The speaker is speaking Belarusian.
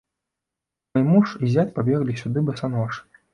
Мой муж і зяць пабеглі сюды басанож.